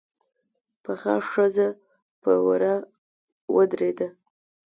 پخه ښځه په وره ودرېده.